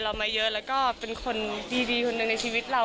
เรามาเยอะแล้วก็เป็นคนดีคนหนึ่งในชีวิตเรา